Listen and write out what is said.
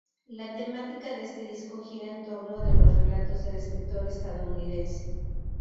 La temática de este disco gira en torno de los relatos del escritor estadounidense.